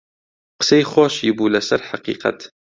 قسەی خۆشی بوو لەسەر حەقیقەت